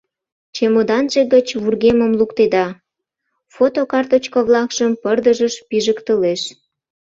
Чемоданже гыч вургемым луктеда, фотокарточка-влакшым пырдыжыш пижыктылеш.